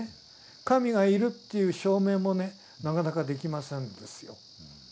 神がいるという証明もねなかなかできませんですよ。